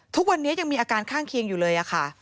ทุกวันนี้ยังมีอาการข้างเคียงอยู่เลยค่ะ